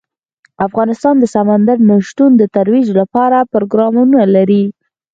افغانستان د سمندر نه شتون د ترویج لپاره پروګرامونه لري.